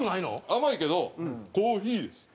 甘いけどコーヒーです。